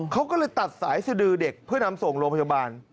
เขาก็เลยตัดสายสดือเด็กเพื่อนำส่งโรงพยาบาล